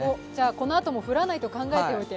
このあとも降らないと考えておいて。